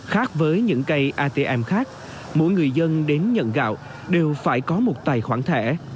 khác với những cây atm khác mỗi người dân đến nhận gạo đều phải có một tài khoản thẻ